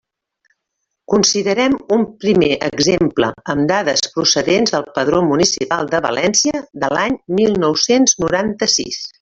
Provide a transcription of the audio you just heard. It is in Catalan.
Considerem un primer exemple amb dades procedents del Padró Municipal de València de l'any mil nou-cents noranta-sis.